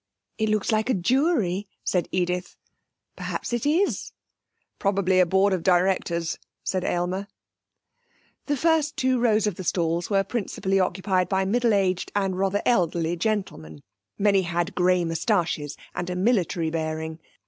'It looks like a jury,' said Edith. 'Perhaps it is.' 'Probably a board of directors,' said Aylmer. The first two rows of the stalls were principally occupied by middle aged and rather elderly gentlemen. Many had grey moustaches and a military bearing.